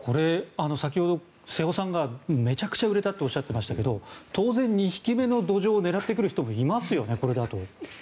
さきほど瀬尾さんがめちゃくちゃ売れたとおっしゃってましたけど当然、２匹目のドジョウを狙ってくる人もそうなんですよね。